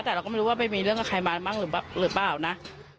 แต่เราก็ไม่รู้ว่าไปมีเรื่องกับใครมาบ้างหรือเปล่านะ